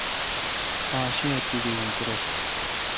کاں شہ اؘ تیدی این تو رل۔